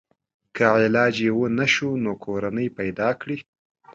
که علاج یې ونشو نو کورنۍ پیدا کړي.